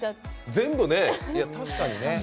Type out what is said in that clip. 全部ね、確かにね。